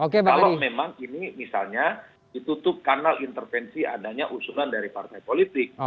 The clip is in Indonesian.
kalau memang ini misalnya ditutup kanal intervensi adanya usulan dari partai politik